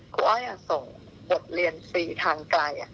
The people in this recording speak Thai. อ้อยส่งบทเรียนฟรีทางไกล